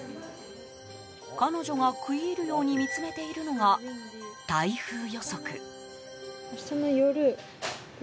彼女が食い入るように見つめているのが、台風予測。